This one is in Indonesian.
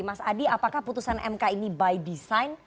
mas adi apakah putusan mk ini by design